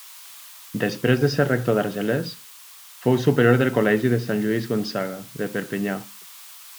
Després de ser rector d'Argelers, fou superior del col·legi de Sant Lluís Gonçaga de Perpinyà.